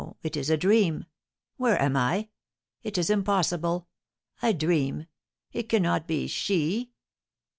It is a dream! Where am I? It is impossible! I dream, it cannot be she!"